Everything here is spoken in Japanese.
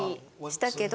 したけど。